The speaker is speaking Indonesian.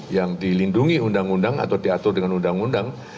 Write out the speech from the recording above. yang dilindungi undang undang atau diatur dengan undang undang